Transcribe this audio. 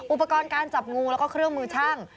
อุปกรณ์การจับงูแล้วก็เครื่องมือช่าง